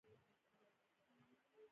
زید بن حارثه ته یې زوی ویلي و.